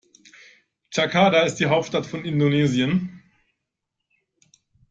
Jakarta ist die Hauptstadt von Indonesien.